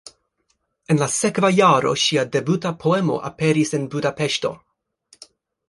En la sekva jaro ŝia debuta poemo aperis en Budapeŝto.